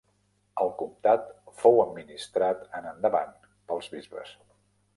El comtat fou administrat en endavant pels bisbes.